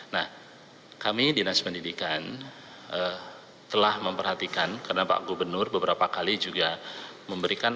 nah kami dinas pendidikan telah memperhatikan karena pak gubernur beberapa kali juga memberikan